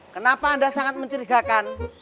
kenapa anda sangat mencerigakan